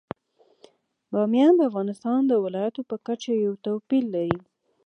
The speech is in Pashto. بامیان د افغانستان د ولایاتو په کچه یو توپیر لري.